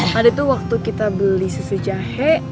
pada itu waktu kita beli susu jahe